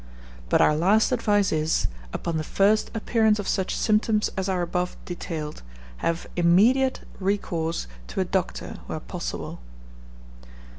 But our last advice is, upon the first appearance of such symptoms as are above detailed, have immediate recourse to a doctor, where possible.